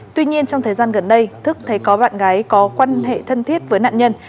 tuy nhiên trong thời gian gần đây thức thấy có bạn gái có quan hệ thân thiết với nạn nhân